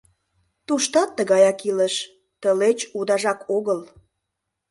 Туштат тыгаяк илыш, тылеч удажак огыл...